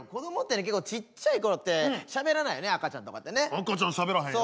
赤ちゃんしゃべらへんよ。